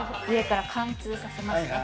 上から貫通させます。